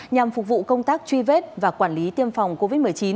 nhằm phục vụ công tác truy vết và quản lý tiêm phòng covid một mươi chín